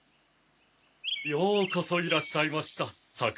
ようこそいらっしゃいました桜田様。